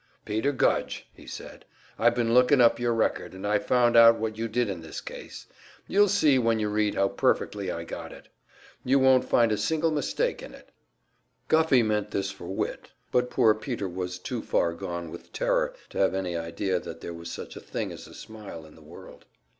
"Peter Gudge," he said, "I been looking up your record, and I've found out what you did in this case. You'll see when you read how perfectly I've got it. You won't find a single mistake in it." Guffey meant this for wit, but poor Peter was too far gone with terror to have any idea that there was such a thing as a smile in the world.